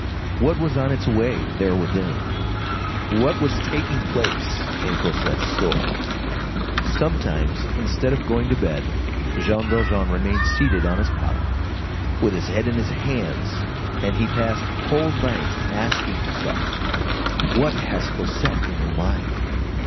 What was on its way there within? What was taking place in Cosette's soul? Sometimes, instead of going to bed, Jean Valjean remained seated on his pallet, with his head in his hands, and he passed whole nights asking himself: "What has Cosette in her mind?"